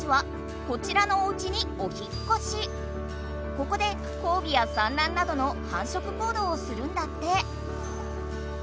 ここで交尾や産卵などのはんしょく行動をするんだって。